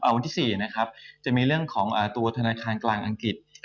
วันที่๔นะครับจะมีเรื่องของตัวธนาคารกลางอังกฤษ